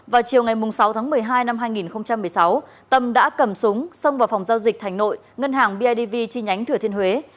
vào chiều ngày sáu tháng một mươi hai năm hai nghìn một mươi sáu tâm đã cầm súng xông vào phòng giao dịch thành nội ngân hàng bidv chi nhánh thừa thiên huế